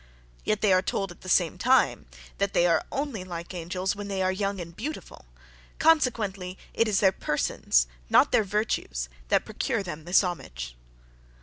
Yet they are told, at the same time, that they are only like angels when they are young and beautiful; consequently, it is their persons, not their virtues, that procure them this homage.